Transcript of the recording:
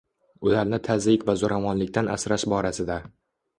Ularni tazyiq va zo'ravonlikdan asrash borasida